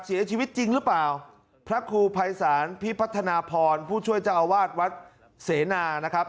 จริงหรือเปล่าพระครูภัยศาลพิพัฒนาพรผู้ช่วยเจ้าอาวาสวัดเสนานะครับ